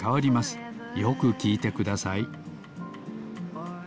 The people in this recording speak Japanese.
よくきいてください。